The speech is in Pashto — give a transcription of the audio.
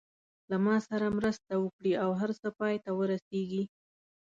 له ما سره مرسته وکړي او هر څه پای ته ورسېږي.